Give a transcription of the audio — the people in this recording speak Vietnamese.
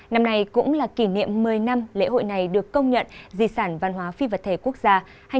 năm này cũng là kỷ niệm một mươi năm lễ hội này được công nhận dị sản văn hóa phi vật thể quốc gia hai nghìn một mươi bốn hai nghìn hai mươi bốn